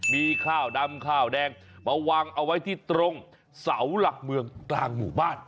มีข้าวดำข้าวแดงมาวางเอาไว้ที่ตรงเสาหลักเมืองกลางหมู่บ้าน